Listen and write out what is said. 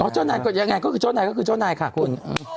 อ๋อเจ้านายยังไงก็คือเจ้านายค่ะคุณ